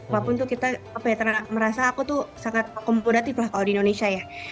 walaupun tuh kita merasa aku tuh sangat akomodatif lah kalau di indonesia ya